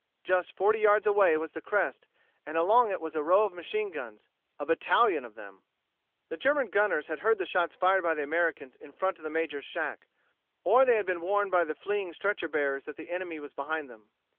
Just forty yards away was the crest, and along it was a row of machine guns a battalion of them! The German gunners had heard the shots fired by the Americans in front of the major's shack, or they had been warned by the fleeing stretcher bearers that the enemy was behind them.